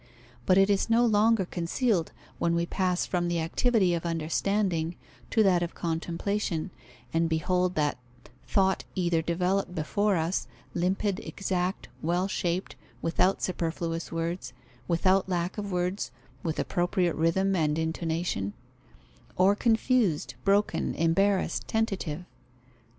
But it is no longer concealed, when we pass from the activity of understanding to that of contemplation, and behold that thought either developed before us, limpid, exact, well shaped, without superfluous words, without lack of words, with appropriate rhythm and intonation; or confused, broken, embarrassed, tentative.